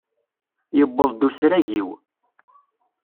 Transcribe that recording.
Yewweḍ-d usrag-iw.